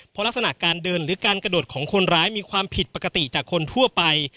เพราะลักษณะการเดินหรือการกระโดดของคนร้ายมีความผิดปกติจากคนทั่วไป